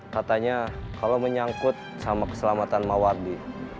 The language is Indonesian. katanya kalau menyangkut sama keselamatan mawardi